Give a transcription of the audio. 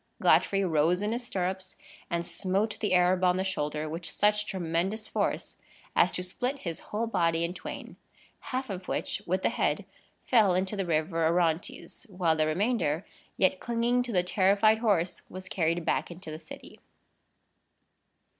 Godfrey rose in his stirrups, and smote the Arab on the shoulder with such tremendous force as to split his whole body in twain; half of which, with the head, fell into the river Orontes, while the remainder, yet clinging to the terrified horse, was carried back into the city.